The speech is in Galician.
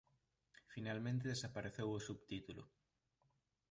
Finalmente desapareceu o subtítulo.